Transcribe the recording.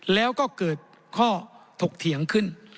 แล้วก็เกิดข้อถกเถียงขึ้น